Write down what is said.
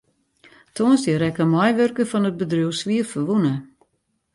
Tongersdei rekke in meiwurker fan it bedriuw swierferwûne.